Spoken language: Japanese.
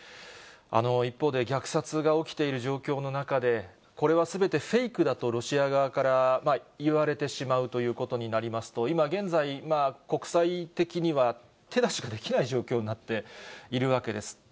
一方で、虐殺が起きている状況の中で、これはすべてフェイクだとロシア側から言われてしまうということになりますと、今現在、国際的には手出しができない状況になっているわけです。